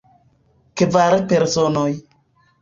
Kvar personoj.